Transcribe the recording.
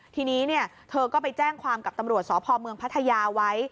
ทีนี้เธอก็ไปแจ้งความกับตำรวจสพเมืองพัทยาไว้